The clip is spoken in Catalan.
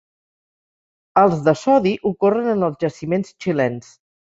Els de sodi ocorren en els jaciments xilens.